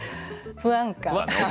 不安感。